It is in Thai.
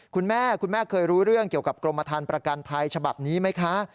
คุณแม่คุณแม่เคยรู้เรื่องเกี่ยวกับกรมฐานประกันภัยฉบับนี้ไหมคะ